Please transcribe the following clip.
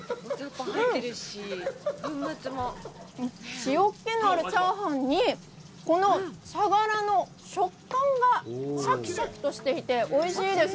塩っ気のある茶飯に、この茶殻の食感がシャキシャキとしていておいしいです。